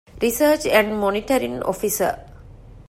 ރިސަރޗް އެންޑް މޮނިޓަރިންގ އޮފިސަރ